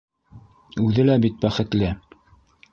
Үҙе лә бит бәхетле.